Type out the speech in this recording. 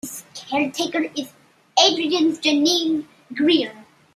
His caretaker is Adrian's Janine Grier.